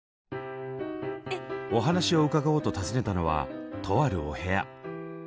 お話を伺おうと訪ねたのはとあるお部屋。